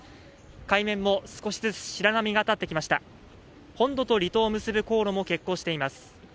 海面も少しずつ白波が立ってきました本土と離島を結ぶ航路も欠航しています